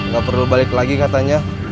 gak perlu balik lagi katanya